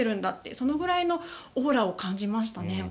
それぐらいのオーラを私は感じましたね。